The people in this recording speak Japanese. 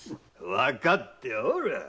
わかっておる。